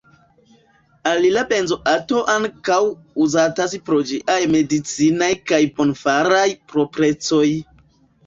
Alila benzoato ankaŭ uzatas pro ĝiaj medicinaj kaj bonfaraj proprecoj.